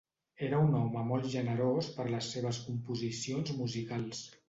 Era un home molt generós per les seves composicions musicals.